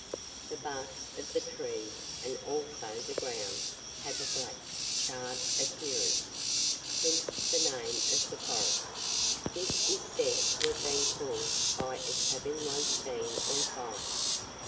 The barks of the trees, and also the ground, have a black, charred appearance (hence the name of the forest); this is said to have been caused by its having once been on fire.